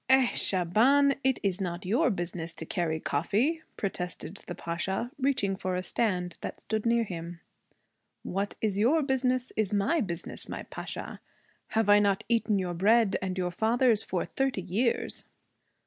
'Eh, Shaban! It is not your business to carry coffee!' protested the Pasha, reaching for a stand that stood near him. 'What is your business is my business, my Pasha. Have I not eaten your bread and your father's for thirty years?'